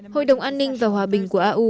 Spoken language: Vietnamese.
hội đồng an ninh và hòa bình của au